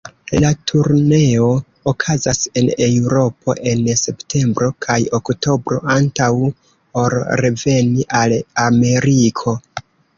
La turneo okazas en Eŭropo en septembro kaj oktobro, antaŭ ol reveni al Ameriko.